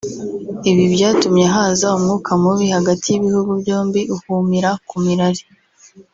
Ibi byatumye haza umwuka mubi hagati y’ibihugu byombi uhumira ku mirari